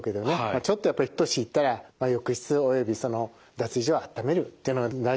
ちょっとやっぱり年いったら浴室および脱衣所は暖めるというのが大事なんだと思います。